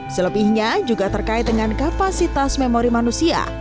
selebihnya juga terkait dengan kapasitas memori manusia